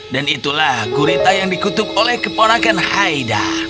dan itulah gurita yang dikutuk oleh keponakan haida